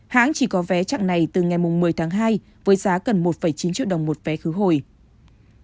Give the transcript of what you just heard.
hãng chỉ có vé chặng này từ ngày một mươi tháng hai với giá gần một chín triệu đồng một vé khứ hồi